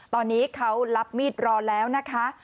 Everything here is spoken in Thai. ตอนนี้เขารับมีดรอแล้วนะคะ